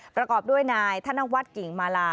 ประกอบด้วยนายท่านวัตรกิงมาลา